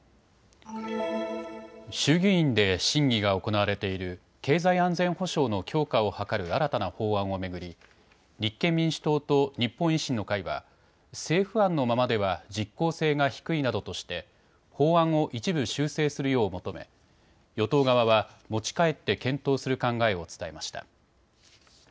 衆議院で審議が行われている経済安全保障の強化を図る新たな法案を巡り立憲民主党と日本維新の会は政府案のままでは実効性が低いなどとして法案を一部、修正するよう求め与党側は持ち帰って検討する考えを伝えました。